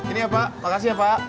ini ya pak makasih ya pak